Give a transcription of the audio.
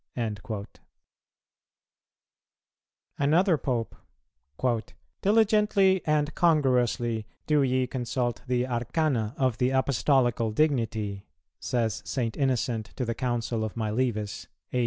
"[161:1] Another Pope: "Diligently and congruously do ye consult the arcana of the Apostolical dignity," says St. Innocent to the Council of Milevis (A.